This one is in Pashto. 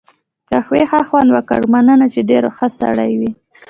قهوې ښه خوند وکړ، مننه، چې ډېر ښه سړی وې.